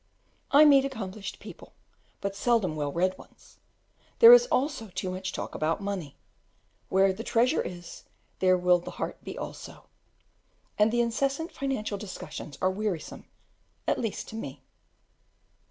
I meet accomplished people, but seldom well read ones; there is also too much talk about money: "where the treasure is, there will the heart be also;" and the incessant financial discussions are wearisome, at least to me.